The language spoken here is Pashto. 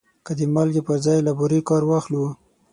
که د مالګې پر ځای له بورې کار واخلو.